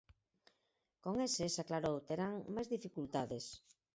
Con eses, aclarou, terán "máis dificultades".